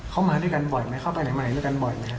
เขามาด้วยกันบ่อยไหมเขาไปไหนมาด้วยกันบ่อยไหมครับ